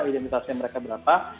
identitasnya mereka berapa